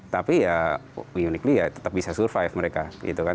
tapi ya uniqlly ya tetap bisa survive mereka gitu kan